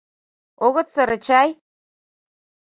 — Огыт сыре чай?